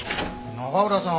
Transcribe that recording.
永浦さん。